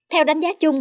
theo đánh giá chung